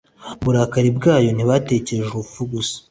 mu burakari bwayo ntiyabaterereje urupfu gusa,